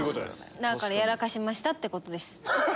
やらかしました！ってことです。